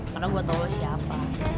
karena gue tau lo siapa